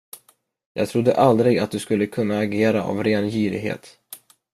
Jag trodde aldrig att du skulle kunna agera av ren girighet.